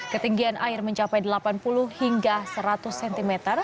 ketinggian air mencapai delapan puluh hingga seratus cm